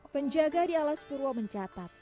penjaga di alas purwo mencatat